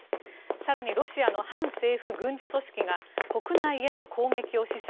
更に、ロシアの反政府軍事組織が国内への攻撃を示唆。